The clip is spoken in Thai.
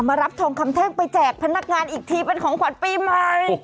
รับทองคำแท่งไปแจกพนักงานอีกทีเป็นของขวัญปีใหม่